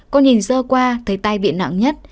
con nhìn sơ qua thấy tay bị nặng nhất